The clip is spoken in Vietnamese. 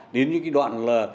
đến những cái đoạn là